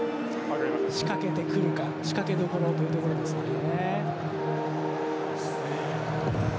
仕掛けてくるか仕掛けどころということですね。